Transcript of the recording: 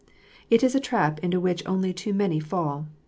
It is a trap into which only too many fall.